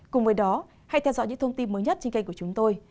cùng với đó hãy theo dõi những thông tin mới nhất trên kênh của chúng tôi